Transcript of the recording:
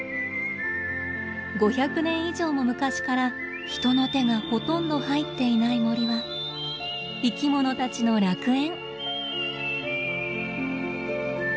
５００年以上も昔から人の手がほとんど入っていない森は生きものたちの楽園。